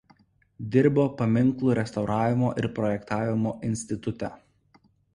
Dirbo Paminklų restauravimo ir projektavimo institute.